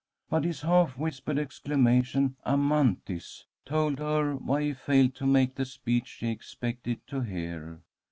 But his half whispered exclamation, "Amanthis!" told her why he failed to make the speech she expected to hear.